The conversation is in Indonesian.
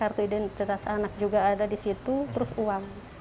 kartu identitas anak juga ada di situ terus uang